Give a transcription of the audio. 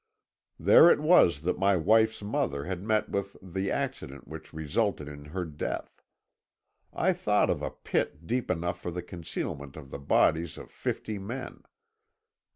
There it was that my wife's mother had met with the accident which resulted in her death. I thought of a pit deep enough for the concealment of the bodies of fifty men.